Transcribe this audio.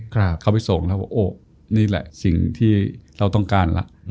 เขาไปส่งแล้วว่าโอ้นี่แหละสิ่งที่เราต้องการล่ะ